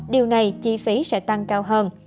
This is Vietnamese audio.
điều này chi phí sẽ tăng cao hơn